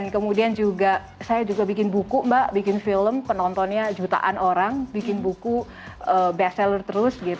kemudian saya juga bikin buku mbak bikin film penontonnya jutaan orang bikin buku best seller terus